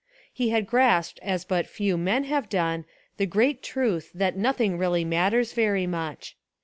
He had grasped as but few men have done the great truth that nothing really matters very much.